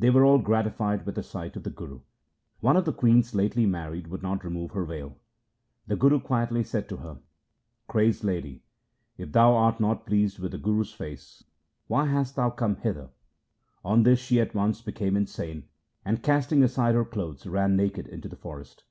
They were all gratified with a sight of the Guru. One of the queens lately married would not remove her veil. The Guru quietly said to her, 62 THE SIKH RELIGION ' Crazed lady, if thou art not pleased with the Guru's face, why hast thou come hither ?' 1 On this she at once became insane, and casting aside her clothes ran naked into the forest.